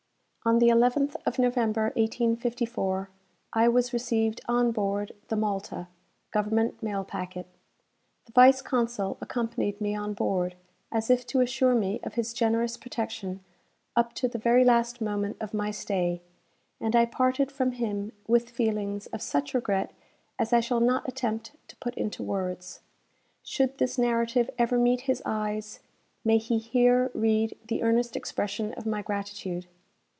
On the 11th of November, 1854, I was received on board the "Malta," government mail packet. The vice consul accompanied me on board, as if to assure me of his generous protection up to the very last moment of my stay, and I parted from him with feelings of such regret as I shall not attempt to put into words. Should this narrative ever meet his eyes, may he here read the earnest expression of my gratitude.